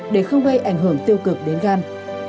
để không gây ảnh hưởng tiêu cực đến gan